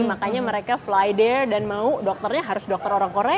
makanya mereka flighter dan mau dokternya harus dokter orang korea